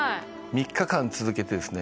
３日間続けてですね